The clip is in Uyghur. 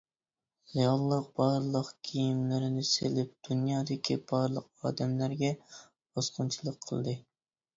رېئاللىق بارلىق كىيىملىرىنى سېلىپ. دۇنيادىكى بارلىق ئادەملەرگە باسقۇنچىلىق قىلدى!